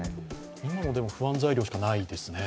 今も不安材料しかないですね